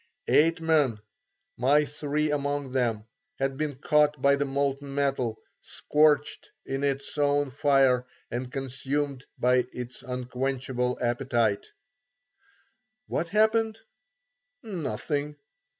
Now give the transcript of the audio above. Eight men, my three among them, had been caught by the molten metal, scorched in its own fire and consumed by its unquenchable appetite. What happened? Nothing.